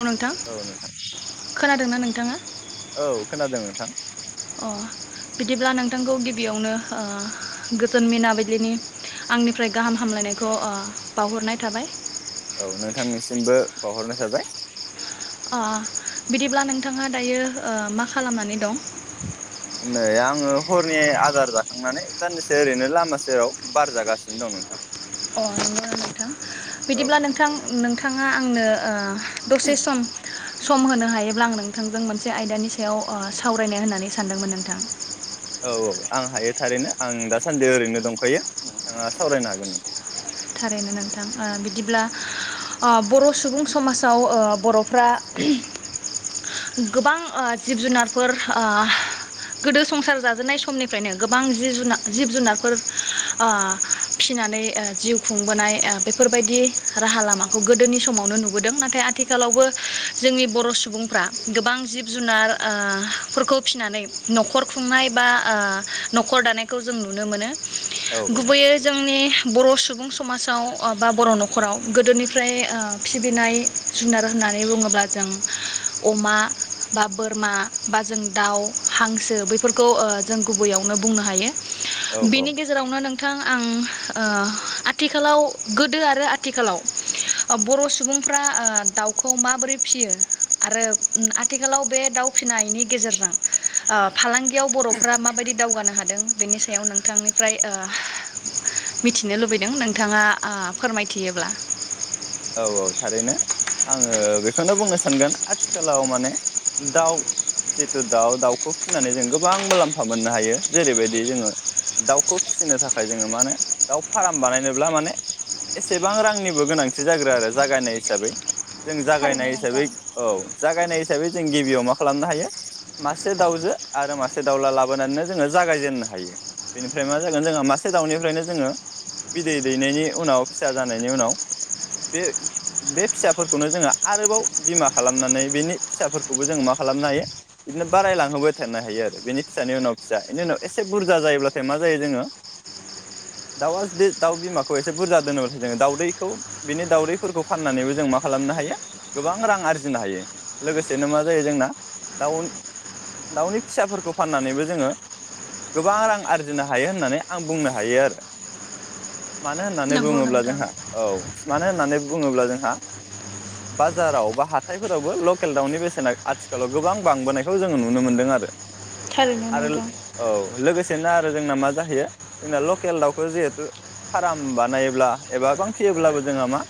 औ नोंथां खोनादोंना नोंथां? [unintelligible] औ खोनादों नोंथां अ बिदिब्ला नों बिथांखौ गिबियावनो ओ गोजोन मिनाबिलिनि आंनिफ्राय गाहाम हामलायनायखौ ओ बावहरनाय थाबाय। औ नोंथांनिसिमबो बावहरनाय थाबाय अ बिदिब्ला नोंथाङा दायो ओ मा खालामनानै दं? नै आङो हरनि आदार जाखांनानै दानदिसे ओरैनो लामा सेराव बार जागासिनो दं नोंथां। अ नंगौना नोंथां औ बिदिब्ला नोंथां नोंथाङा आंनो ओ दसे सम सम होनो हायोब्ला आं नोंथांजों मोनसे आयदानि सायाव ओ सावरायनाय होननानै सानदोंमोन नोंथां? औ औ आं हायो थारैनो आं दासान्दि ओरैनो दंखायो नोंथाङा सावरायनो हागोन थारैनो नोंथां ओ बिदिब्ला बर' सुबुं समाजाव अ बर'फ्रा गोबां ओ जिब जुनारफोर गोदो ओ संसार जाजेननाय समनिफ्रायनो गोबां जिब जुनार अ जिब जुनारफोर ओ फिनानै जिउ खुंबोनाय बेफोरबायदि राहा लामाखौ गोदोनि समावनो नुबोदों नाथाय आथिखालावबो जोंनि बर' सुबुंफ्रा गोबां जिब जुनार फोरफोरखौ ओ फिनानै नखर खुंनाय बा नखर दानायखौ जों नुनो मोनो। औ गुबैयै जोंनि बर' सुबुं समाजाव बा बर' नखराव गोदोनिफ्राय ओ फिबिनाय जुनार होननानै बुङोब्ला जों अमा बा बोरमा बा जों दाउ हांसो बेफोरखौ जों गुबैयावनो बुंनो हायो। औ औ बेनि गेजेरावनो नों नोंथां आं ओ थिखालाव गोदो आरो आथिखालाव बर' सुबुंफ्रा ओ दाउखौ माबोरै फियो आरो आथिखालाव बे दाउ फिनायनि गेजेरजों ओ फालांगि गियाव बर'फ्रा माबायदि दावगानो हादों। बिनि सायाव नोंथांनिफ्राय ओ मिथिनो लुबैदों नों नोंथाङा आ फोरमायथियोब्ला औ औ थारैनो आङो बेखौनो बुंनो सानगोन आथिखालाव माने दाउ जिथु दाउ दाउखौ फिनानै जों गोबां मुलाम्फा मोननो हायो जेरैबायदि जोङो दाउखौ फिसिनो थाखाय जोङो माने दाउ फार्म बानायनोब्ला माने एसेबां रांनिबो गोनां थि जाग्रो आरो जागायनाय हिसाबै जों थारैनो जागायनाय नोंथां हिसाबै औ जागायनाय हिसाबै जों गिबियाव मा खालामनो हायो मासे दाउजो आरो मासे दाउला लाबोनानैनो जोङो जागायजेननो हायो बेनिफ्राय मा जागोन जोंहा मासे दाउनिफ्रायनो जोङो बिदै दैनायनि उनाव फिसा जानायनि उनाव बे बे फिसाफोरखौनो जोङो आरोबाव बिमा खालामनानै बेनि फिसाफोरखौबो जोङो मा खालामनो हायो बिदिनो बारायलांहोबाय थानो हायो आरो बेनि फिसानि उनाव फिसा इनि उनाव एसे बुरजा जायोब्लाथाय मा जायो जोङो दाउआ जुदि दाउ बिमाखौ एसे बुरजा दोनोब्लाथाय जोङो दाउदैखौ बिनि दाउदैफोरखौ फाननानैबो जों मा खालामनो हायो गोबां रां आरजिनो हायो लोगोसेनो मा जायो जोंना दाउ उन दाउनि फिसाफोरखौ फाननानैबो जोङो गोबां रां आरजिनो हायो होननानै आं बुंनो हायो आरो। मानो होननानै नंगौ बुङोब्ला नोंथां जोंहा औ। मानो होननानै बुङोब्ला जोंहा बाजाराव बा हाथायफोरावबो लकेल दाउनि बेसेना आथिखालाव गोबां बांबोनायखौ जोङो नुनो मोन्दों आरो। थारैनो आरो नुदों। औ लोगोसेनो आरो जोंना मा जाहैयो जोंना लकेल दाउखौ जिहेथु फाराम बानायोब्ला एबा गोबां फियोब्लाबो जोंहा मा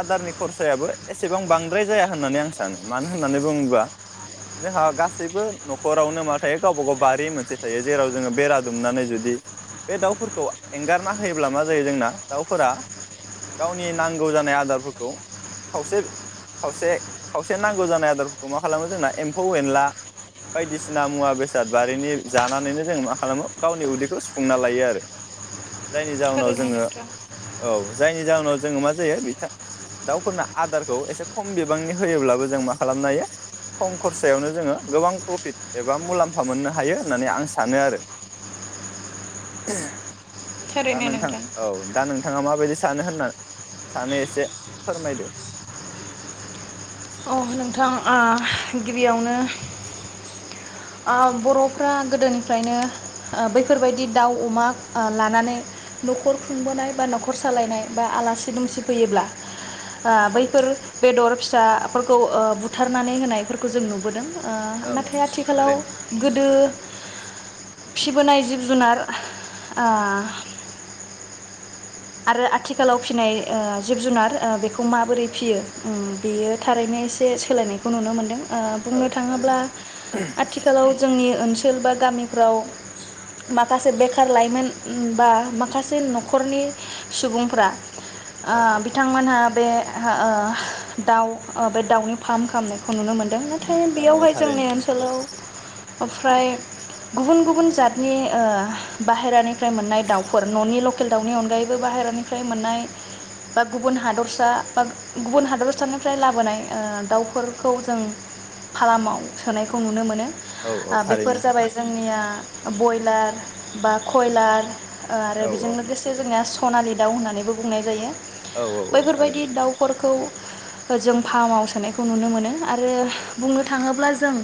आदारनि खरसायाबो एसेबां बांद्राय जाया होननानै आं सानो मानो होननानै बुङोबा जोंहा गासैबो न'खरावनो मा थायो गावबा गाव बारि मोनसे थायो जेराव जोङो बेरा दुमनानै जुदि बे दाउफोरखौ एंगारना होयोब्ला मा जायो जोंना दाउफोरा गाव नि नांगौ जानाय आदारफोरखौ खावसे खावसे खावसे नांगौ जानाय आदारफोरखौ मा खालामो जोंना एम्फौ एनला बायदिसिना मुवा बेसाद बारिनि जानानैनो जों मा खालामो गावनि उदैखौ सुफुंना लायो आरो जायनि जाउनाव जों थारैनो जोङो नोंथां औ। जायनि जाउनाव जोङो मा जायो बिथा दाउफोरनो आदारखौ एसे खम बिबांनि होयोब्लाबो जों मा खालामनो हायो खम खरसायावनो जोङो गोबां प्रफिट एबा मुलाम्फा मोननो हायो होननानै आं सानो आरो। दा नोंथां औ दा नों थाङा माबायदि सानो होनना सानो एसे फोरमायदो। अ नोंथां ओ गिबियावनो ओ बर'फ्रा गोदोनिफ्रायनो ओ बैफोरबायदि दाउ अमा ओ लानानै न'खर खुंबोनाय बा न'खर सालायनाय बा आलासि दुमसि फैयोब्ला बा औ बैफोर बेदर फि [unintelligible] खौ ओ बुथारनानै होनायफोरखौ जों नुबोदों। औ ओ ओं ओं नाथाय आथिखालाव थारैनो गोदो फिबोनाय जिब जुनार ओ आरो आथिखालाव फिनाय ओ जिब जुनार ओ बेखौ माबोरै फियो ओं बेयो थारैनो एसे सोलायनायखौ नुनो मोनदों। ओ औ बुंनो थारैनो थाङोब्ला आथिखालाव जोंनि ओनसो सोल बा गामिफ्राव माखासे बेखार लाइमोन बा माखासे न'खरनि सुबुंफ्रा औ आ बिथांमोनहा बे ओहो ओ दाउ ओ बे दाउनि फार्म खालामनायखौ नुनो मोनदों। थाय ओं ओं बेयावहाय जोंनि थारैनो ओनसोलाव ओमफ्राय गुबुन गुबुन जातनि ओ बाहेरानिफ्राय मोननाय दाउफोर न'नि लकेल दाउनि अनगायै बो बाहेरानिफ्राय मोननाय बा गुबुन हादरसा बा गुबुन हादरसानिफ्राय लाबोनाय ओ दाउफोरखौ जों फारामाव सोनायखौ नुनो मोनो। औ ओ औ बेफोर थारैनो जाबाय जोंनिया बयलार बा खयलार ओ आरो औ बेजों लोगोसे जोंनिया सनालि दाउ होननानैबो बुंनाय जायो औ औ औ बैफोरबायदि थारैनो दाउफोरखौ जों फार्माव सोनायखौ नुनो मोनो आरो बुंनो थाङोब्ला जों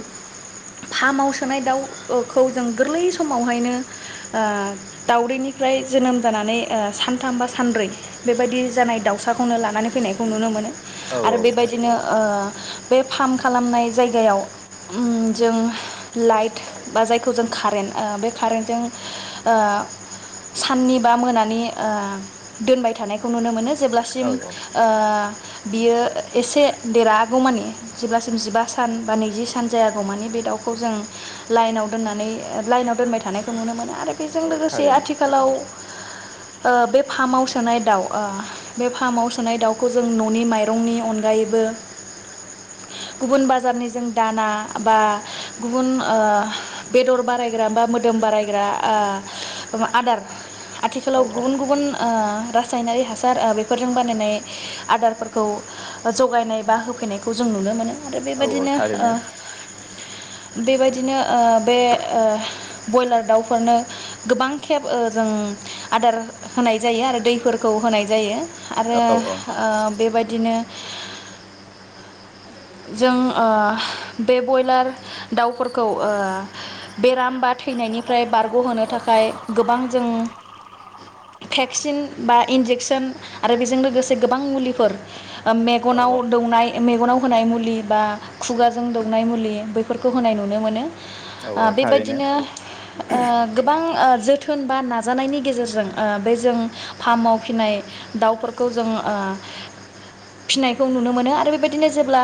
फार्माव सोनाय दाउखौ जों गोरलै समावहायनो दाउदैनिफ्राय जोनोम जानानै ओ सानथाम बा सानब्रै बेबायदि जानाय दाउसाखौनो लानानै फैनायखौ नुनो मोनो औ आरो औ बेबायदिनो ओ बे फार्म खालामनाय जायगायाव उम जों लाइट बा जायखौ जों कारेन्ट बे कारेन्टजों ओ साननि बा मोनानि ओ दोनबाय थानायखौ नुनो मोनो जेब्लासिम औ औ ओ बियो एसे देरहागौमानि जेब्लासिम जिबा सान बा नैजि सान जायागौ मानि बे दाउखौ जों लाइनाव दोननानै लाइनाव दोनबाय थानायखौ नुनो मोना आरो बेजों औ लोगोसे थारैनो आथिखालाव ओ बे फार्माव सोनाय दाउ बे फार्माव सोनाय दाउखौ जों न'नि माइरंनि अनगायैबो गुबुन बाजारनि जों दाना बा गुबुन ओ बेदर बारायग्रा बा मोदोम ओ बारायग्रा आदार औ आथिखालाव औ गुबुन ओ रासायनारि हासार ओ बेफोरजों बानायनाय आदारफोरखौ जगायनाय बा होफैनायखौ जों नुनो मोनो आरो औ औ बेबादिनो ओ थारैनो बेबायदिनो ओ बे ओ बयलार दाउफोरनो गोबां खेब ओ जों आदार होनाय जायो आरो दैफोर खौ होनाय जायो आरो औ औ ओ बेबायदिनो जों ओ बे बयलार दाउफोरखौ ओ बेराम बा थैनायनिफ्राय बारग'होनो थाखाय टाय गोबां जों भेक्सिन बा इन्जेकसन आरो बेजों लोगोसे गोबां मुलिफोर ओ औ मेगनाव दौनाय मेगनाव होनाय मुलि बा खुगाजों दौनाय मुलि बैफोरखौ होनाय नुनो मोनो औ औ ओ थारैनो बेबायदिनो ओ गोबां ओ जोथोन बा नाजानायनि गेजेरजों ऐबे जों फार्माव फिनाय दाउफोरखौ जों ओ फिनायखौ नुनो मोनो आरो बेबायदिनो जेब्ला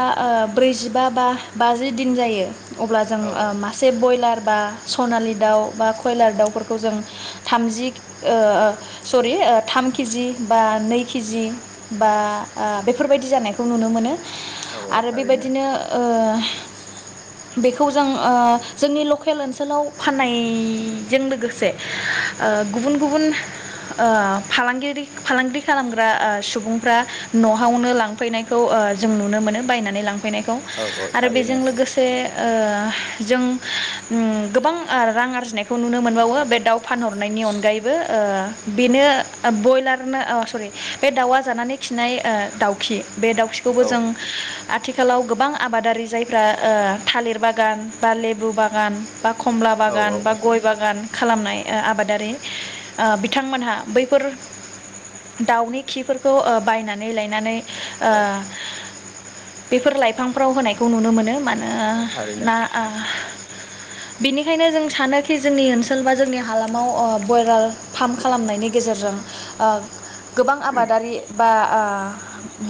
ब्रैजिबा बा बाजि दिन जायो अब्ला जों औ ओ मासे बयलार बा सनालि दाउ बा कयलार दाउफोरखौ जों थामजि ओ सरि थाम केजि बा नै किजि बा बेफोरबायदि जानायखौ नुनो मोनो औ औ आरो थारैनो बेबायदिनो ओ बेखौ जों ओ जोंनि लकेल ओनसोलाव फाननाय जों लोगोसे ओ गुबुन गुबुन ओ फालांगिरि फालांगिरि खालामग्रा सुबुंफ्रा न'आवनो लांफैनायखौ ओ जों नुनो मोनो बायनानै लांफ फैनायखौ औ औ आरो थारैनो बेजों लोगोसे ओ जों उम गोबां रां आरजिनायखौ नुनो मोनबावो बे दाउ फानहरनायनि अनगायैबो ओ बेनो बयलारनो ओ अ सरि बे दाउआ जानानै खिनाय ओ दाउखि बे दाउखिखौबो औ जों आथिखालाव गोबां आबादारि जायफ्रा ओ थालिर बागान बा लेबु बागान बा खमला औ बागान बा गय बागान खालामनाय ओ आबादारि ओ बिथांमोनहा बैफोर दाउनि खिफोरखौ ओ बायनानै लायनानै ओ औ बेफोर लाइफांफोराव होनायखौ नुनो मोनो मानो ओ औ थारैनो ना ओ बेनिखायनो जों सानोखि जोंनि ओनसोल बा जोंनि हालामाव ओ बयलार फार्म खालामनायनि गेजेरजों ओ गोबां आबादारि बा ओ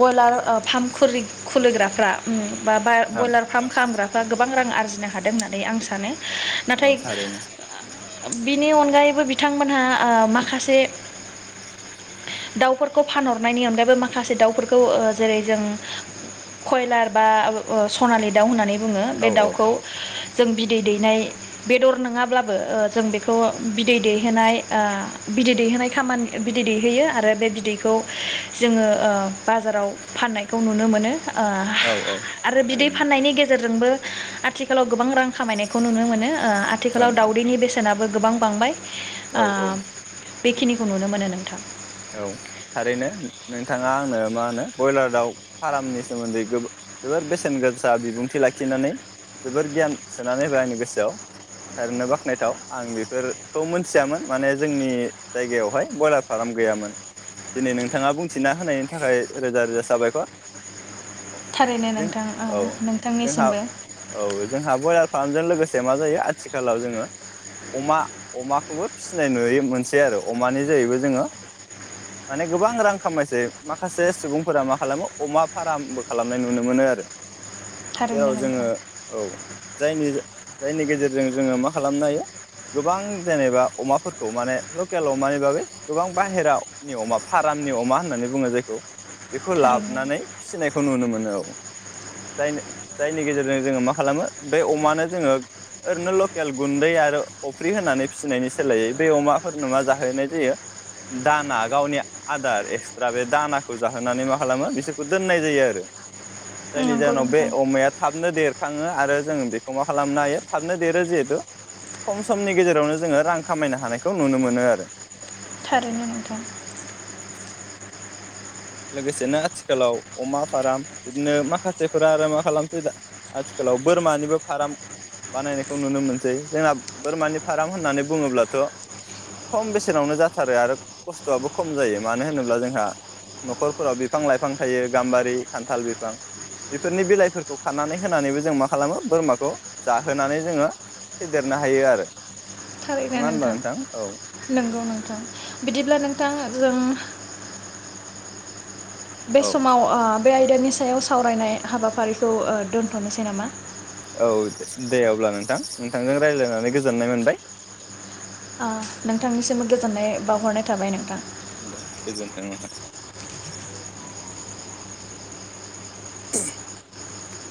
बयलार फार्म खुलि खुलिग्राफ्रा उम बा बा ओं बयलार फार्म खालामग्राफ्रा गोब बां रां आरजिनो हादों होननानै आं सानो नाथाय औ थारैनो बिनि अनगायैबो बिथांमोनहा ओ माखासे दाउफोरखौ फानहरनायनि अनगायैबो माखासे दाउफोरखौ ओ जेरै जों कयलार बा ओ ओ सनालि दाउ होननानै बुङो औ बे दाउखौ जों बिदै दैनाय बेदर नङाब्लाबो ओ जों बेखौ बिदै दैहोनाय ओ बिदै दैहोनाय खामानि बिदै दैहोयो आरो बे बिदैखौ जोङो ओ बाजाराव फाननायखौ नुनो मोनो। ओ औ औ आरो बिदै थारैनो फाननायनि गेजेरजोंबो आथिखालाव गोबां रां खामायनायखौ नुनो मोनो ओं ओआथिखालाव ओं दावउदैनि बेस सेनाबो गोबां बांबाय औ औ खिनिखौ नुनो मोनो नोंथां औ थारैनो नोंथाङा आंनो मा होनो ब्रयलार दाव फारामनि सोमोन्दै गोब जोबोर बेसेन गोसा बिबुंथि लाखिनानै जोबोर गियान सोनानै होबाय आंनि गोसोआव थारैनो बाख्नायथाव आं बेफोरखौ मोनथियामोन माने जोंनि जायगायावहाय ब्रयलार फाराम गैयामोन दिनै नोंथाङा बुंथिना होनायनि थाखाय रोजा रोजा जाबायखर‌। औ थारैनो जों नोंथां औ जोंहा नोंथांनिसिमबो औ जोंहा ब्रयलार फार्मजों लोगोसे से मा जायो आथिखालाव जोंङो अमा अमाखौबो फिसिनाय नुयो मोनसे आरो अमानि जाहैबो जोंङो माने गोबां रां खामायसै माखासे सुबुंफोरा मा खालामो अमा फारामबो खालामनाय नुनो मोनो आरो थारैनो जेराव नोंथां जोंङो औ जायनि जायनि गेजेरजों जोंङो मा खालामनो हायो गोबां जेनेबा अमाफोरखौ माने लकेल अमानि बागै गोबां बाहेरावनि अमा फारामनि अमा होननानै बुङो जायखौ बेखौ थारैनो लाबोनानै फिसिनायखौ नुनो मोनो औ जायनो जायनि गेजेरजों जोंङो मा खालामो बे अमानो जोंङो ओरैनो लकेल गुन्दै आरो अफ्रि होनानै फिसिनायनि सोलायै बे अमाफोरनो मा जाहोनाय जायो दाना गावनि आदार एक्सट्रा बे दानाखौ जाहोनानै मा खालामो बिसोरखौ दोननाय जायो आरो जायनि नंगौ जाहोनाव बे नोंथां अमाया थाबनो देर खाङो आरो जों बेखौ मा खालामनो हायो थाबनो देरो जिहेथु खम समनि गेजेरावनो जोङो रां खामायनो हानायखौ नुनो मोनो आरो। औ थारैनो नोंथां। लोगोसेनो आथिखालाव अमा फार्म बिदिनो माखासेफोरा आरो मा खालामसै आथिखालाव बोरमानिबो फार्म बानायनायखौ नुनो मोनसै। जोंना बोरमानि फाराम होननानै बुङोब्लाथ' खम बेसेनावनो जाथारो आरो खस्थ'आबो खम जायो। मानो होनोब्ला जोंहा न'खरफोराव बिफां लाइफां थायो गाम्बारि खान्थाल बिफां बेफोरनि बिलाइफोरखौ खानानै होनानैबो जों मा खालामो बोरमाखौ जाहोनानै जोङो फेदेरनो हायो आरो। थारैनो नङा होनबा नोंथां औ नंगौ नोंथां बिदिब्ला नोंथां जों बे औ समाव आ बे आयदानि सायाव सावरायनाय हाबाफारिखौ ओ दोन्थ'नोसै नामा? औ दे अब्ला नोंथां नोंथांजों रायज्लायनानै गोजोननाय मोनबाय। अ' नोंथांनिसिम गोजोननाय बावहरनाय थाबाय नोंथां। दे गोजोन्थों [inaudible] [unintelligible]